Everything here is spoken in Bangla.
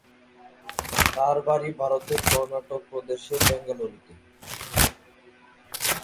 তার বাড়ি ভারতের কর্ণাটক প্রদেশের বেঙ্গালুরুতে।